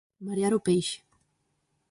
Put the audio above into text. Marear o peixe.